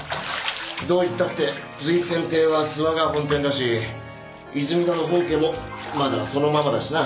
どういったって瑞泉亭は諏訪が本店だし泉田の本家もまだそのままだしな。